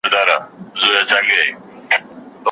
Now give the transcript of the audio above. که ښوونکی مثال راوړي، موضوع نه پېچلې کېږي.